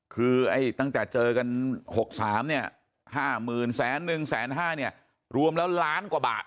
คือตั้งแต่เจอกัน๖๓เนี่ย๕๐๐๐๐หนึ่งแสนห้าเนี่ยรวมแล้วล้านกว่าบาท